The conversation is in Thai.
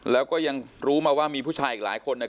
แล้วก็ยังรู้มาว่ามีผู้ชายอีกหลายคน